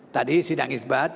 tadi sidang isbat